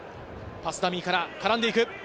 パスダミーから絡んでいく。